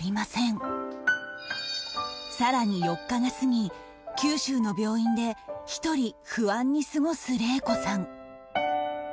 更に４日が過ぎ九州の病院で１人不安に過ごす令子さん